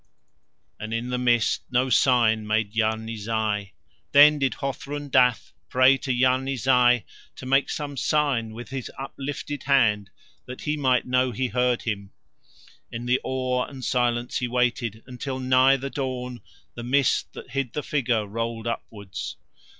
And in the mist no sign made Yarni Zai. Then did Hothrun Dath pray to Yarni Zai to make some sign with his uplifted hand that he might know he heard him. In the awe and silence he waited, until nigh the dawn the mist that hid the figure rolled upwards.